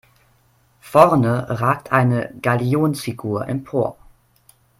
Vorne ragt eine Galionsfigur empor.